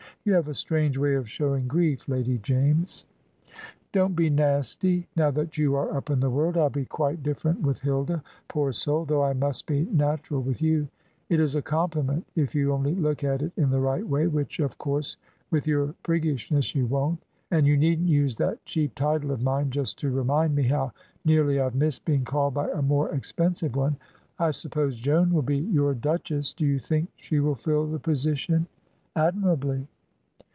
"You have a strange way of showing grief, Lady James." "Don't be nasty, now that you are up in the world. I'll be quite different with Hilda, poor soul, though I must be natural with you. It is a compliment, if you only look at it in the right way, which of course, with your priggishness, you won't. And you needn't use that cheap title of mine, just to remind me how nearly I've missed being called by a more expensive one. I suppose Joan will be your duchess. Do you think she will fill the position!" "Admirably."